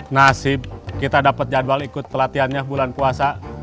nasib kita dapat jadwal ikut pelatihannya bulan puasa